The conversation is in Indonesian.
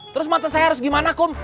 terus mata saya harus gimana kom